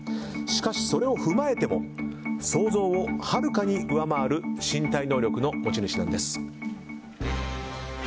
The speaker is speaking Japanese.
しかしそれを踏まえても想像をはるかに上回る身体能力の持ち主なんです。